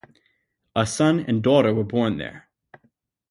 A son and daughter were born there.